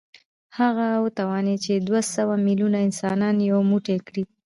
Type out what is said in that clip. هغه وتوانېد چې دوه سوه ميليونه انسانان يو موټی کړي.